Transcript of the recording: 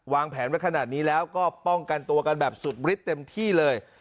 แผนไว้ขนาดนี้แล้วก็ป้องกันตัวกันแบบสุดฤทธิเต็มที่เลย